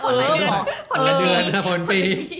ผ่อนแหละเดือนผ่อนปี